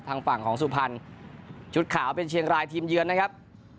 ทางฝั่งของสุพรรณชุดขาวเป็นเชียงรายทีมเยือนนะครับ